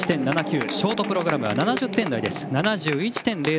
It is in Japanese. ３８．７９ショートプログラムは７０点台です。